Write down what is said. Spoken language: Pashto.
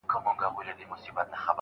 نن مو لر او برته ګیله من زخمونه وسپړل